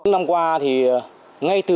năm qua thì ngay từ